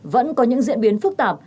vẫn có những diễn biến phức tạp